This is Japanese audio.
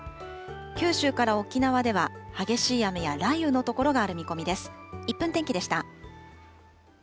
九州から沖縄では激しい雨や雷雨の所がある見込みです。